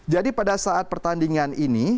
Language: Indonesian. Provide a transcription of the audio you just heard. jadi pada saat pertandingan ini